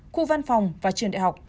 khu văn phòng và trường đại học